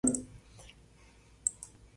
La Vieille-Loye